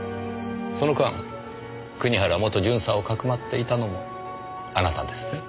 その間国原元巡査をかくまっていたのもあなたですね。